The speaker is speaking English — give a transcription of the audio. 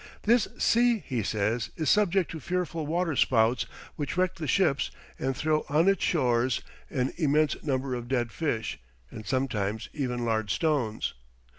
"This sea," he says, "is subject to fearful water spouts which wreck the ships, and throw on its shores an immense number of dead fish and sometimes even large stones.